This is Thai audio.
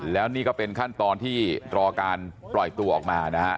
แล้วนี่ก็เป็นขั้นตอนที่รอการปล่อยตัวออกมานะฮะ